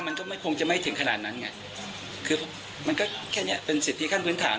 มันก็คงจะไม่ถึงขนาดนั้นไงคือมันก็แค่นี้เป็นสิทธิ์ที่ขั้นคืนถาม